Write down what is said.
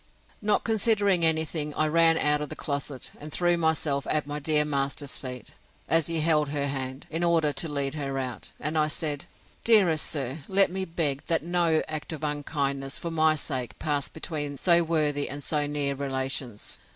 Not considering any thing, I ran out of the closet, and threw myself at my dear master's feet, as he held her hand, in order to lead her out; and I said, Dearest sir, let me beg, that no act of unkindness, for my sake, pass between so worthy and so near relations.